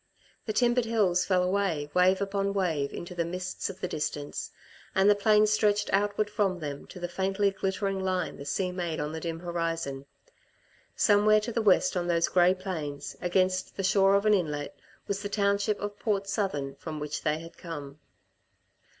The timbered hills fell away, wave upon wave, into the mists of the distance, and the plains stretched outward from them to the faintly glittering line the sea made on the dim horizon. Somewhere to the west on those grey plains, against the shore of an inlet, was the township of Port Southern from which they had come.